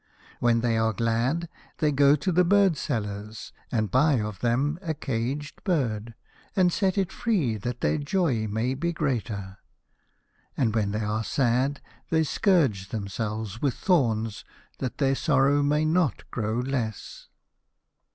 When they are glad they go to the bird sellers and buy of them a caged bird, and set it free that their joy may be greater, and when they are sad they scourge themselves with thorns that their sorrow may not grow less.